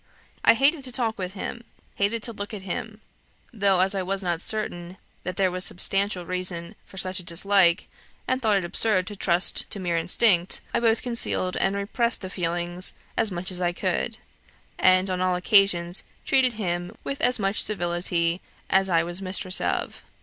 I hated to talk with him hated to look at him; though as I was not certain that there was substantial reason for such a dislike, and thought it absurd to trust to mere instinct, I both concealed and repressed the feeling as much as I could; and, on all occasions, treated him with as much civility as I was mistress of.